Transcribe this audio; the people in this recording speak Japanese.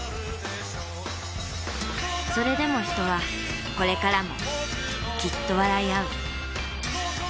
それでも人はこれからもきっと笑いあう。